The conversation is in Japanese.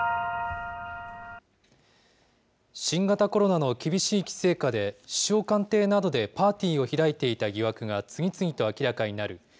新型コロナの厳しい規制下で、首相官邸などでパーティーを開いていた疑惑が次々と明らかになる